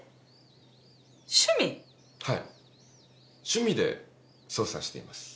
趣味で捜査しています。